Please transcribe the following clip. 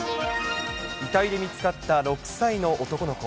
遺体で見つかった６歳の男の子。